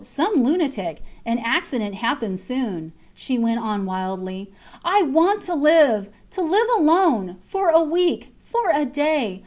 Some lunatic. An accident happens soon. She went on, wildly I want to live. To live alone for a week for a day.